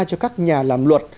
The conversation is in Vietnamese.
cho các nhà làm luật